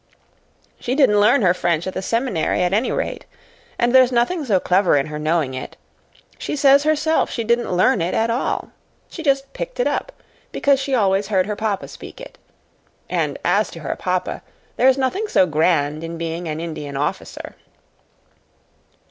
She didn't learn her French at the Seminary, at any rate. And there's nothing so clever in her knowing it. She says herself she didn't learn it at all. She just picked it up, because she always heard her papa speak it. And, as to her papa, there is nothing so grand in being an Indian officer."